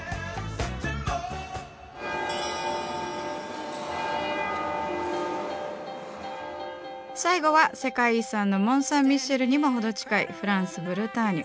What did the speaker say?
すごい最後は世界遺産のモン・サン・ミシェルにも程近いフランスブルターニュ。